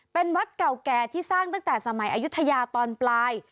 เป็นวัดเก่าแก่ที่สร้างตั้งแต่สมัยอายุทยาตอนปลาย